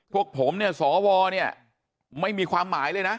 พวกผมเนี่ยสวเนี่ยไม่มีความหมายเลยนะ